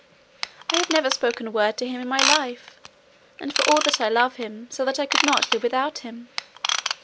I have never spoken a word to him in my life; and for all that I love him so that I could not live without him.